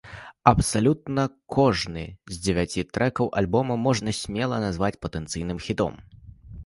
Абсалютна кожны з дзевяці трэкаў альбома можна смела назваць патэнцыйным хітом.